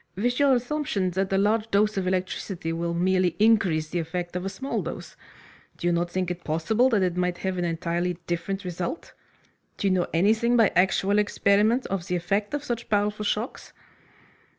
"With your assumption that a large dose of electricity will merely increase the effect of a small dose. Do you not think it possible that it might have an entirely different result? Do you know anything, by actual experiment, of the effect of such powerful shocks?"